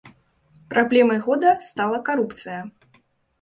Праблемай года стала карупцыя!